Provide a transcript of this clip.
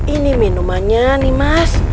ini minumannya nih mas